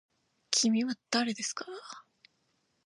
きみはだれですか。